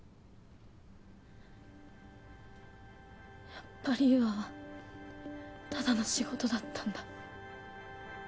やっぱり優愛はただの仕事だったんだ。